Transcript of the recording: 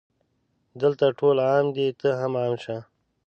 دلته ټول عام دي ته هم عام شه